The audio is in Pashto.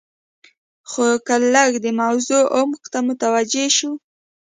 خو که لږ د موضوع عمق ته متوجې شو.